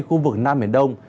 khu vực nam biển đông